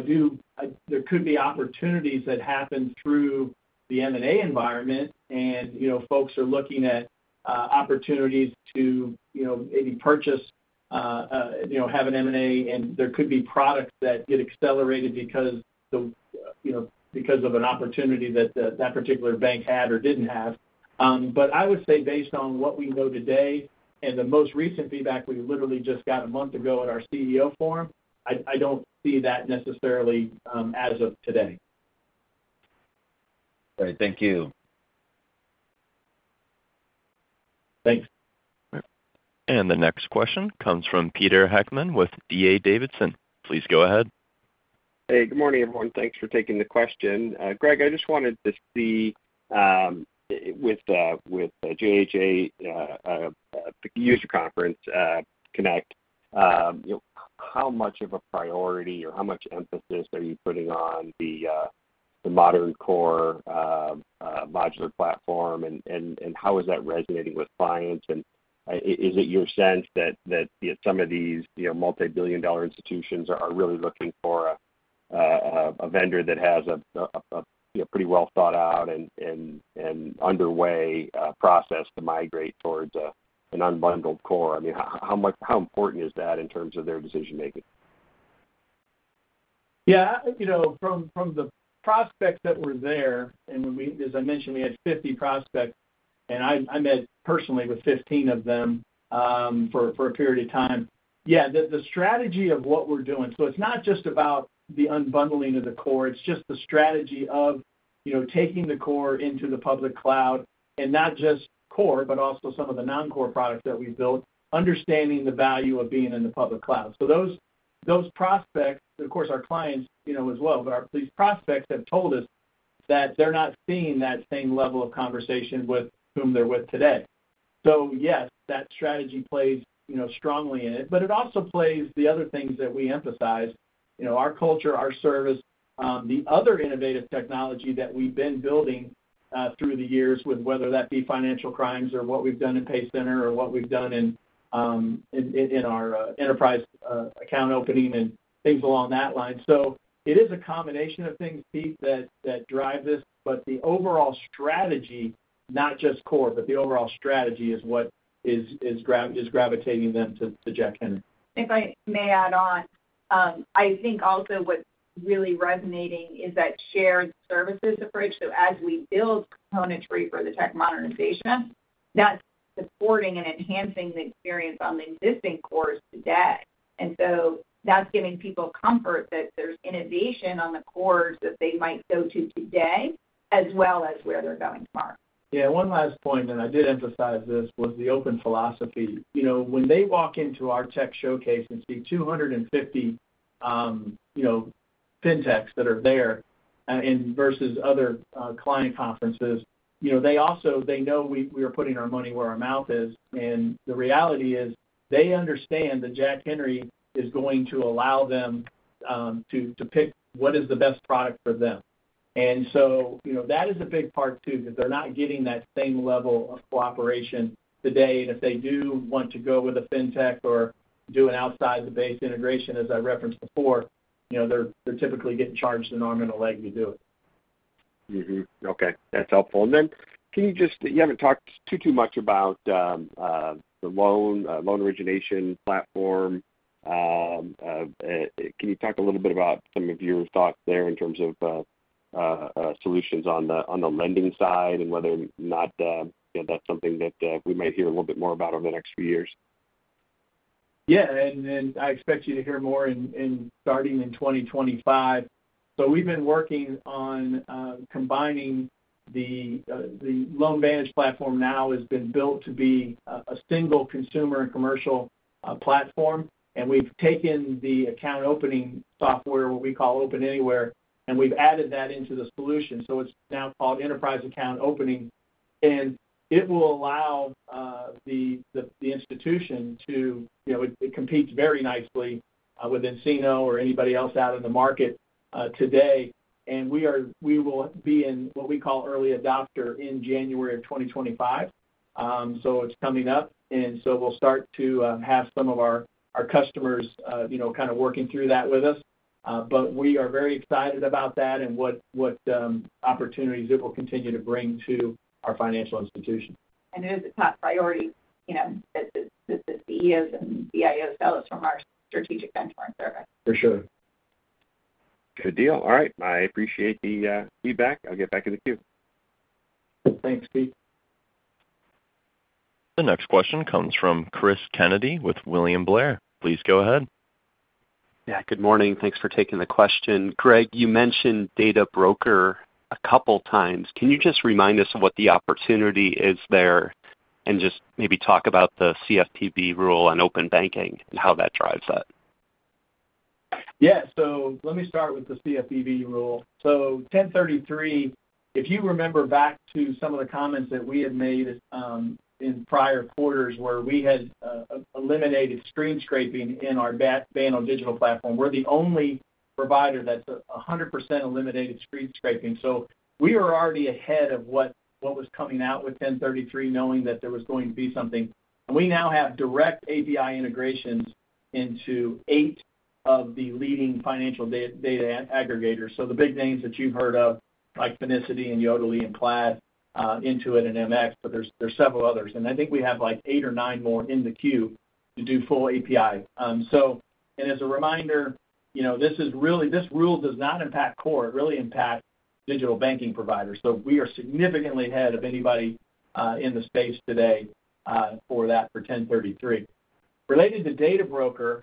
There could be opportunities that happen through the M&A environment, and folks are looking at opportunities to maybe purchase, have an M&A, and there could be products that get accelerated because of an opportunity that that particular bank had or didn't have. But I would say based on what we know today and the most recent feedback we literally just got a month ago at our CEO forum, I don't see that necessarily as of today. Great. Thank you. Thanks. The next question comes from Peter Heckmann with D.A. Davidson. Please go ahead. Hey, good morning, everyone. Thanks for taking the question. Greg, I just wanted to see with Jack Henry Connect, how much of a priority or how much emphasis are you putting on the modern core modular platform, and how is that resonating with clients? And is it your sense that some of these multi-billion-dollar institutions are really looking for a vendor that has a pretty well-thought-out and underway process to migrate towards an unbundled core? I mean, how important is that in terms of their decision-making? Yeah. From the prospects that were there, and as I mentioned, we had 50 prospects, and I met personally with 15 of them for a period of time. Yeah, the strategy of what we're doing, so it's not just about the unbundling of the core. It's just the strategy of taking the core into the public cloud and not just core, but also some of the non-core products that we've built, understanding the value of being in the public cloud. So those prospects, of course our clients as well, but these prospects have told us that they're not seeing that same level of conversation with whom they're with today. So yes, that strategy plays strongly in it, but it also plays the other things that we emphasize: our culture, our service, the other innovative technology that we've been building through the years, whether that be financial crimes or what we've done in PayCenter or what we've done in our Enterprise Account Opening and things along that line. So it is a combination of things, Pete, that drive this, but the overall strategy, not just core, but the overall strategy is what is gravitating them to Jack Henry. If I may add on, I think also what's really resonating is that shared services approach, so as we build componentry for the tech modernization, that's supporting and enhancing the experience on the existing cores today, and so that's giving people comfort that there's innovation on the cores that they might go to today as well as where they're going tomorrow. Yeah. One last point, and I did emphasize this, was the open philosophy. When they walk into our tech showcase and see 250 fintechs that are there versus other client conferences, they know we are putting our money where our mouth is. And the reality is they understand that Jack Henry is going to allow them to pick what is the best product for them. And so that is a big part too, because they're not getting that same level of cooperation today. And if they do want to go with a fintech or do an outside-the-base integration, as I referenced before, they're typically getting charged an arm and a leg to do it. Okay. That's helpful. And then can you just you haven't talked too much about the loan origination platform. Can you talk a little bit about some of your thoughts there in terms of solutions on the lending side and whether or not that's something that we might hear a little bit more about over the next few years? Yeah. And I expect you to hear more starting in 2025. So we've been working on combining the LoanVantage platform now has been built to be a single consumer and commercial platform. And we've taken the account opening software, what we call OpenAnywhere, and we've added that into the solution. So it's now called Enterprise Account Opening. And it will allow the institution to. It competes very nicely with nCino or anybody else out in the market today. And we will be in what we call early adopter in January of 2025. So it's coming up. And so we'll start to have some of our customers kind of working through that with us. But we are very excited about that and what opportunities it will continue to bring to our financial institution. It is a top priority that the CEOs and CIOs tell us from our strategic benchmark service. For sure. Good deal. All right. I appreciate the feedback. I'll get back in the queue. Thanks, Pete. The next question comes from Cris Kennedy with William Blair. Please go ahead. Yeah. Good morning. Thanks for taking the question. Greg, you mentioned Data Broker a couple of times. Can you just remind us of what the opportunity is there and just maybe talk about the CFPB rule on open banking and how that drives that? Yeah. So let me start with the CFPB rule. So 1033, if you remember back to some of the comments that we had made in prior quarters where we had eliminated screen scraping in our Banno digital platform, we're the only provider that's 100% eliminated screen scraping. So we were already ahead of what was coming out with 1033, knowing that there was going to be something. And we now have direct API integrations into eight of the leading financial data aggregators. So the big names that you've heard of, like Finicity and Yodlee and Plaid, Intuit and MX, but there's several others. And I think we have like eight or nine more in the queue to do full API. And as a reminder, this rule does not impact core. It really impacts digital banking providers. So we are significantly ahead of anybody in the space today for that for 1033. Related to Data Broker,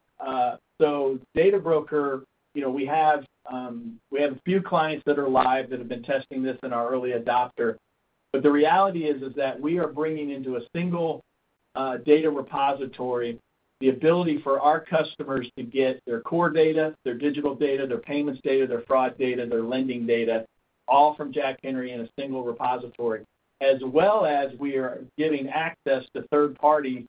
so Data Broker, we have a few clients that are live that have been testing this in our early adopter. But the reality is that we are bringing into a single data repository the ability for our customers to get their core data, their digital data, their payments data, their fraud data, their lending data, all from Jack Henry in a single repository, as well as we are giving access to third party,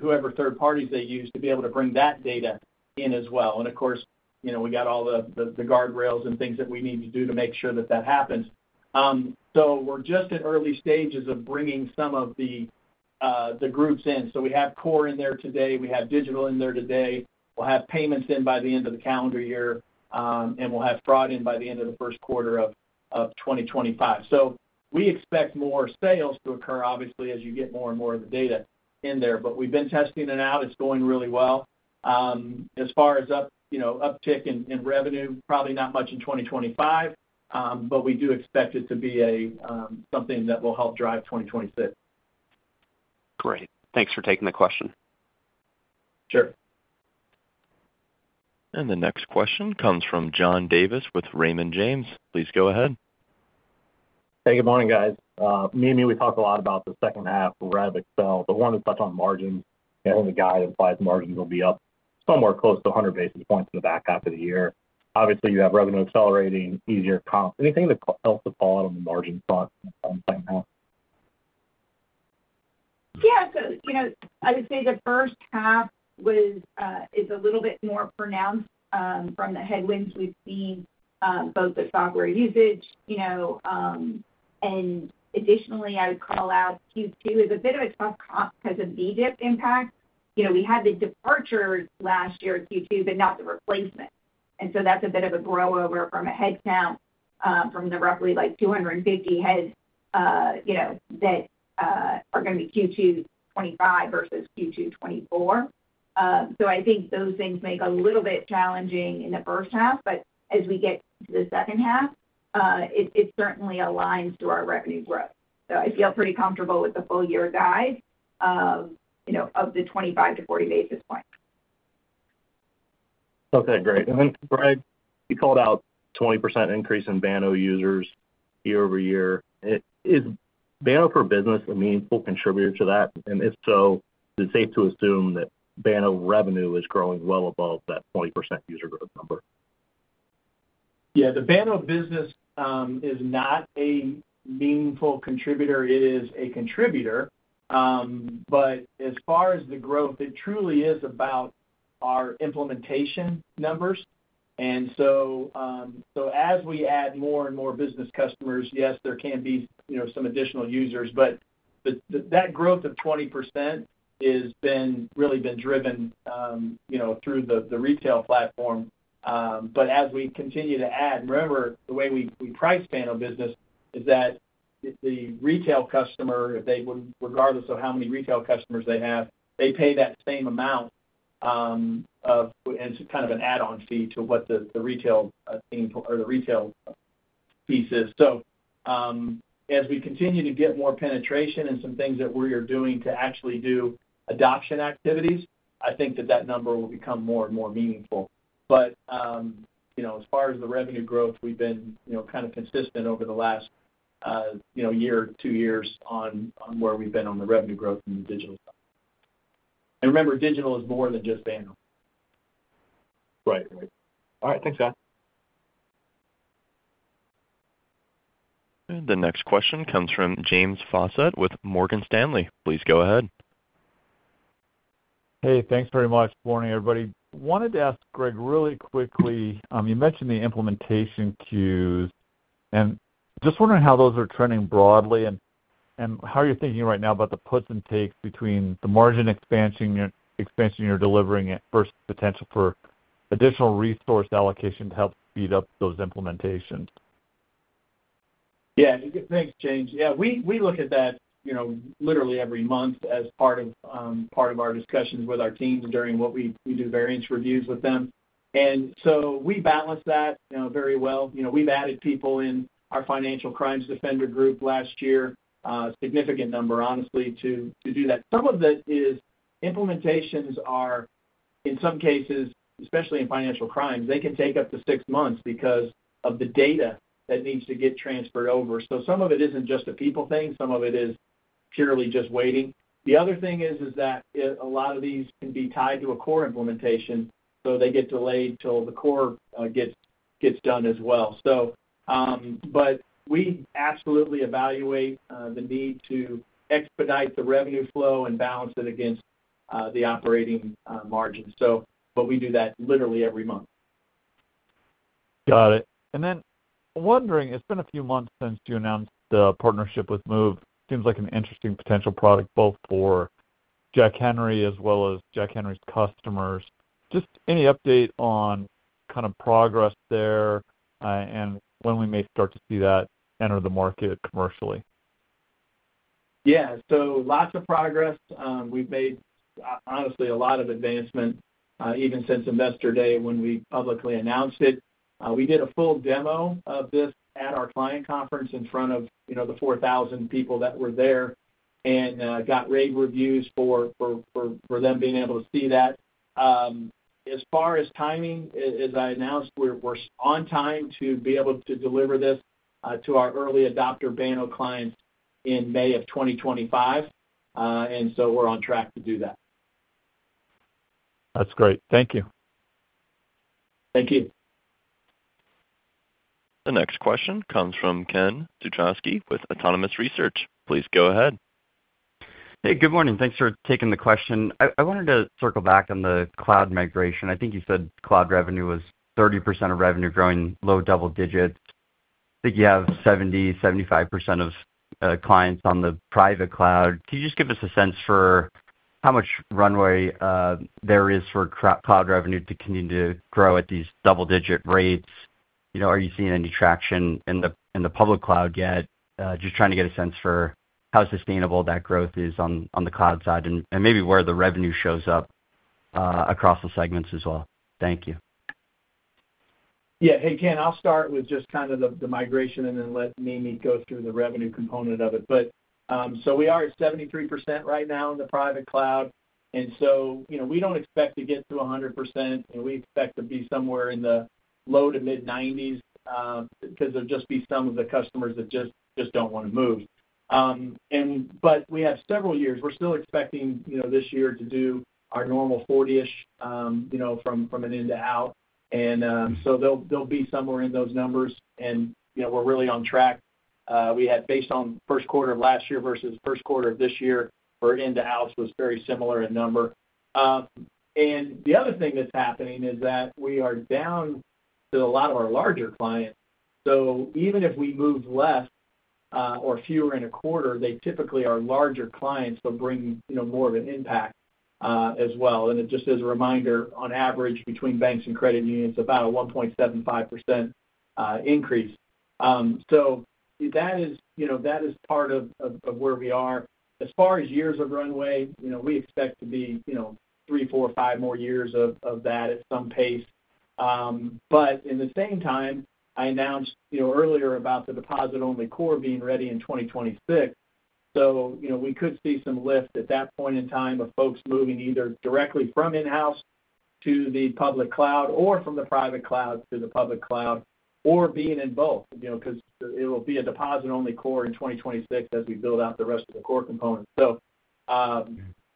whoever third parties they use, to be able to bring that data in as well. And of course, we got all the guardrails and things that we need to do to make sure that that happens. We're just in early stages of bringing some of the groups in. We have core in there today. We have digital in there today. We'll have payments in by the end of the calendar year, and we'll have fraud in by the end of the first quarter of 2025. So we expect more sales to occur, obviously, as you get more and more of the data in there. But we've been testing it out. It's going really well. As far as uptick in revenue, probably not much in 2025, but we do expect it to be something that will help drive 2026. Great. Thanks for taking the question. Sure. And the next question comes from John Davis with Raymond James. Please go ahead. Hey, good morning, guys. Mimi, we talked a lot about the second half of revenue accel. The one that's touched on margins. I think the guy that applies margins will be up somewhere close to 100 basis points in the back half of the year. Obviously, you have revenue accelerating, easier comps. Anything else to call out on the margin front on the second half? Yeah. So I would say the first half is a little bit more pronounced from the headwinds we've seen, both the software usage, and additionally, I would call out Q2 is a bit of a tough comp because of VEDIP impact. We had the departures last year at Q2, but not the replacement, and so that's a bit of a grow-over from a headcount from the roughly like 250 heads that are going to be Q2 2025 versus Q2 2024, so I think those things make a little bit challenging in the first half, but as we get to the second half, it certainly aligns to our revenue growth, so I feel pretty comfortable with the full-year guide of the 25-40 basis points. Okay. Great. And then, Greg, you called out 20% increase in Banno users year-over-year. Is Banno for Business a meaningful contributor to that? And if so, is it safe to assume that Banno revenue is growing well above that 20% user growth number? Yeah. The Banno Business is not a meaningful contributor. It is a contributor. But as far as the growth, it truly is about our implementation numbers. And so as we add more and more business customers, yes, there can be some additional users. But that growth of 20% has really been driven through the retail platform. But as we continue to add, remember, the way we price Banno Business is that the retail customer, regardless of how many retail customers they have, they pay that same amount of kind of an add-on fee to what the retail team or the retail piece is. So as we continue to get more penetration and some things that we are doing to actually do adoption activities, I think that that number will become more and more meaningful. But as far as the revenue growth, we've been kind of consistent over the last year, two years on where we've been on the revenue growth in the digital side. And remember, digital is more than just Banno. Right. Right. All right. Thanks, guys. The next question comes from James Faucette with Morgan Stanley. Please go ahead. Hey, thanks very much. Good morning, everybody. Wanted to ask Greg really quickly, you mentioned the implementation queues. And just wondering how those are trending broadly and how you're thinking right now about the puts and takes between the margin expansion you're delivering versus potential for additional resource allocation to help speed up those implementations. Yeah. Thanks, James. Yeah. We look at that literally every month as part of our discussions with our teams during what we do variance reviews with them. And so we balance that very well. We've added people in our Financial Crimes Defender group last year, a significant number, honestly, to do that. Some of it is implementations are, in some cases, especially in financial crimes, they can take up to six months because of the data that needs to get transferred over. So some of it isn't just a people thing. Some of it is purely just waiting. The other thing is that a lot of these can be tied to a core implementation, so they get delayed till the core gets done as well. But we absolutely evaluate the need to expedite the revenue flow and balance it against the operating margin. But we do that literally every month. Got it. And then wondering, it's been a few months since you announced the partnership with Moov. Seems like an interesting potential product both for Jack Henry as well as Jack Henry's customers. Just any update on kind of progress there and when we may start to see that enter the market commercially? Yeah. So lots of progress. We've made, honestly, a lot of advancement even since Investor Day when we publicly announced it. We did a full demo of this at our client conference in front of the 4,000 people that were there and got rave reviews for them being able to see that. As far as timing, as I announced, we're on time to be able to deliver this to our early adopter Banno clients in May of 2025. And so we're on track to do that. That's great. Thank you. Thank you. The next question comes from Ken Suchoski with Autonomous Research. Please go ahead. Hey, good morning. Thanks for taking the question. I wanted to circle back on the cloud migration. I think you said cloud revenue was 30% of revenue growing low double digits. I think you have 70%-75% of clients on the private cloud. Can you just give us a sense for how much runway there is for cloud revenue to continue to grow at these double-digit rates? Are you seeing any traction in the public cloud yet? Just trying to get a sense for how sustainable that growth is on the cloud side and maybe where the revenue shows up across the segments as well. Thank you. Yeah. Hey, Ken, I'll start with just kind of the migration and then let Mimi go through the revenue component of it, so we are at 73% right now in the private cloud, and so we don't expect to get to 100%. We expect to be somewhere in the low- to mid-90s because there'll just be some of the customers that just don't want to move, but we have several years. We're still expecting this year to do our normal 40-ish from an end to out, and so they'll be somewhere in those numbers, and we're really on track. We had, based on first quarter of last year versus first quarter of this year, where end to out was very similar in number, and the other thing that's happening is that we are down to a lot of our larger clients. So even if we move less or fewer in a quarter, they typically are larger clients, but bring more of an impact as well. And just as a reminder, on average, between banks and credit unions, about a 1.75% increase. So that is part of where we are. As far as years of runway, we expect to be three, four, five more years of that at some pace. But in the same time, I announced earlier about the deposit-only core being ready in 2026. So we could see some lift at that point in time of folks moving either directly from in-house to the public cloud or from the private cloud to the public cloud or being in both because it will be a deposit-only core in 2026 as we build out the rest of the core components. So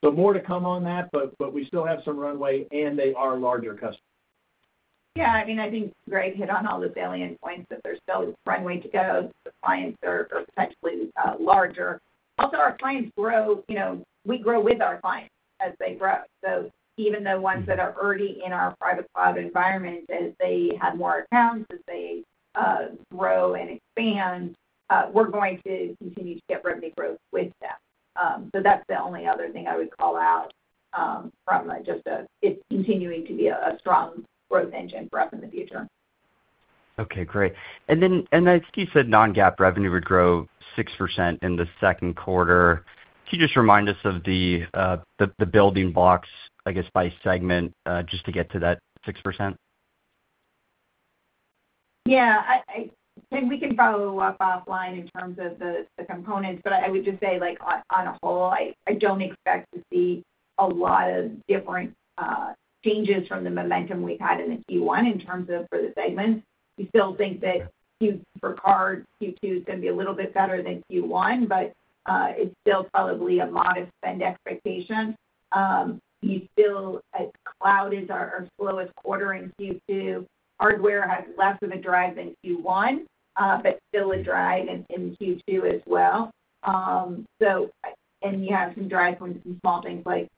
more to come on that, but we still have some runway, and they are larger customers. Yeah. I mean, I think Greg hit on all the salient points that there's still runway to go. The clients are potentially larger. Also, our clients grow. We grow with our clients as they grow. So even the ones that are already in our private cloud environment, as they have more accounts, as they grow and expand, we're going to continue to get revenue growth with them. So that's the only other thing I would call out from just a continuing to be a strong growth engine for us in the future. Okay. Great. And I think you said non-GAAP revenue would grow 6% in the second quarter. Can you just remind us of the building blocks, I guess, by segment, just to get to that 6%? Yeah. We can probably talk offline in terms of the components, but I would just say, on the whole, I don't expect to see a lot of different changes from the momentum we've had in the Q1 in terms of for the segments. We still think that Q2 for cards, Q2 is going to be a little bit better than Q1, but it's still probably a modest spend expectation. You still, as cloud is our slowest quarter in Q2, hardware has less of a drive than Q1, but still a drive in Q2 as well. And you have some drive from some small things like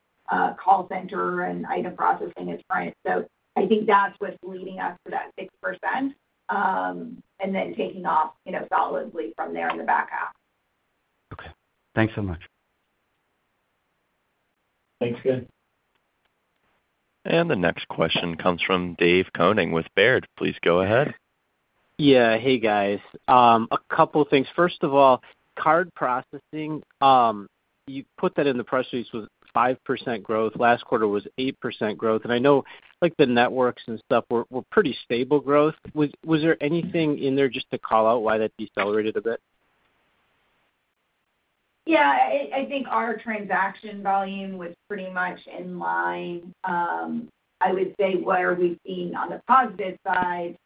call center and item processing. So I think that's what's leading us to that 6% and then taking off solidly from there in the back half. Okay. Thanks so much. Thanks, Ken. The next question comes from Dave Koning with Baird. Please go ahead. Yeah. Hey, guys. A couple of things. First of all, card processing, you put that in the press release was 5% growth. Last quarter was 8% growth, and I know the networks and stuff were pretty stable growth. Was there anything in there just to call out why that decelerated a bit? Yeah. I think our transaction volume was pretty much in line. I would say where we've seen on the positive side,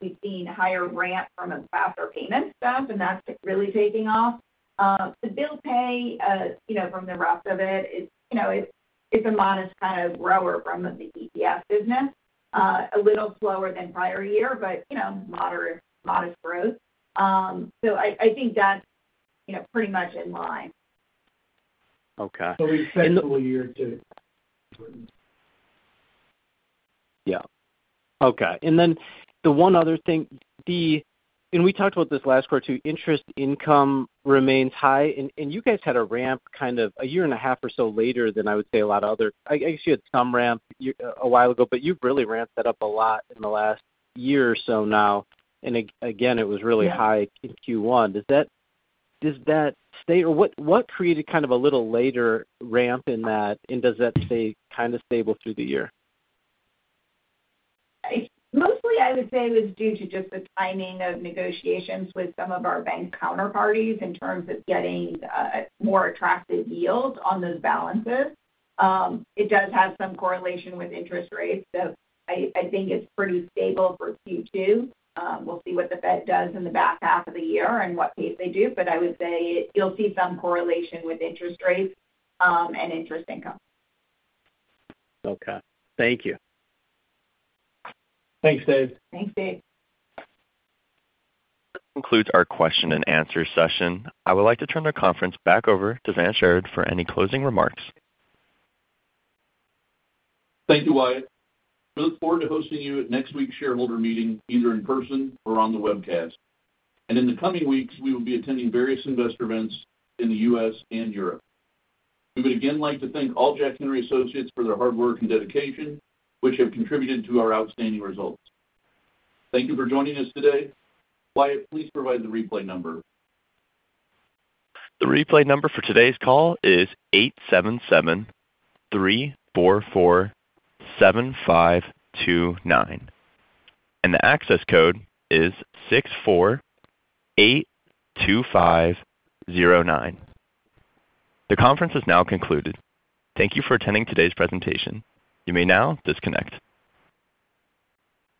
we've seen a higher ramp from a faster payment stuff, and that's really taking off. The bill pay from the rest of it, it's a modest kind of grower from the EPS business, a little slower than prior year, but moderate growth. So I think that's pretty much in line. Okay. We expect a little year or two. Yeah. Okay. And then the one other thing, and we talked about this last quarter too. Interest income remains high. And you guys had a ramp kind of a year and a half or so later than I would say a lot of other. I guess you had some ramp a while ago, but you've really ramped that up a lot in the last year or so now. And again, it was really high in Q1. Does that stay, or what created kind of a little later ramp in that? And does that stay kind of stable through the year? Mostly, I would say it was due to just the timing of negotiations with some of our bank counterparties in terms of getting more attractive yields on those balances. It does have some correlation with interest rates. So I think it's pretty stable for Q2. We'll see what the Fed does in the back half of the year and what pace they do. But I would say you'll see some correlation with interest rates and interest income. Okay. Thank you. Thanks, Dave. Thanks, Dave. That concludes our question and answer session. I would like to turn the conference back over to Vance Sherard for any closing remarks. Thank you, Wyatt. We look forward to hosting you at next week's shareholder meeting, either in person or on the webcast. And in the coming weeks, we will be attending various investor events in the U.S. and Europe. We would again like to thank all Jack Henry & Associates for their hard work and dedication, which have contributed to our outstanding results. Thank you for joining us today. Wyatt, please provide the replay number. The replay number for today's call is 877-344-7529. The access code is 6482509. The conference is now concluded. Thank you for attending today's presentation. You may now disconnect.